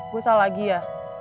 gue salah lagi ya